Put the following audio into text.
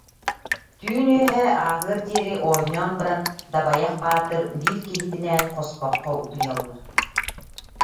Түүн үөһэ ааһыар диэри оонньоон баран Дабайах Баатыр биир киһитинээн хоспоххо утуйаллар